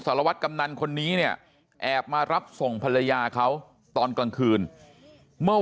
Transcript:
สารวัตรกำนันคนนี้เนี่ยแอบมารับส่งภรรยาเขาตอนกลางคืนเมื่อ